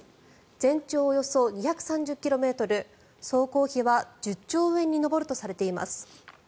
全長およそ２３０ｋｍ総工費は１０兆円に上るとされています。